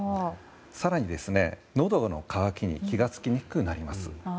更にのどの渇きに気が付きにくくなります。